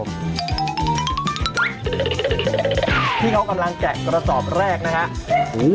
พี่เขากำลังแกะกระซอบแรกนะฮะ